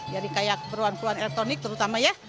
jadi kayak peruan peruan elektronik terutama ya